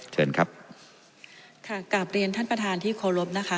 เชิญครับค่ะกลับเรียนท่านประธานที่เคารพนะคะ